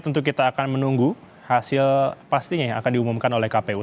tentu kita akan menunggu hasil pastinya yang akan diumumkan oleh kpu